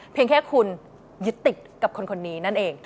แค่คุณยึดติดกับคนนี้นั่นเอง